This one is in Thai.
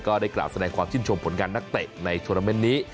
ก็ได้กล่าวแสดงความชื่นชมผลงานนักเตะในโทรนาเมนต์นี้